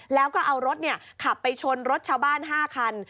แล้วก็เอารถขับไปชนรถชาวบ้าน๕คัน